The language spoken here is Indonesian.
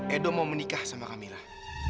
edo mau menikah sama kamilah